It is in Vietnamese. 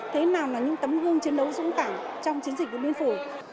thế nào là những tấm hương chiến đấu dũng cảnh trong chiến dịch của biên phủ